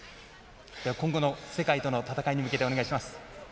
今後の世界との戦いに向けてお願いします。